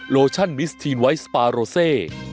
โลชั่นมิสทีนไวท์สปาโรเซ